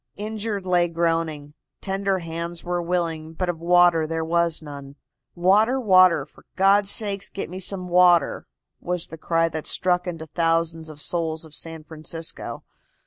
Injured lay groaning. Tender hands were willing, but of water there was none. "Water, water, for God's sake get me some water," was the cry that struck into thousands of souls of San Francisco.